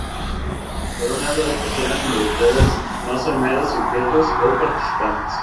Por un lado las personas involucradas no son meros "sujetos" o "participantes.